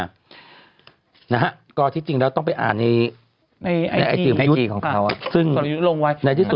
นะฮะก็ที่จริงแล้วต้องไปอ่านในไอจีไอจีของเขาซึ่งในที่สุด